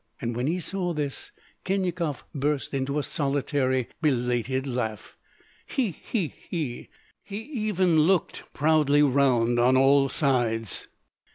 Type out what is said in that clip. And when he saw this Khinyakov burst into a solitary, belated laugh: "He! he! he!" He even looked proudly round on all sides.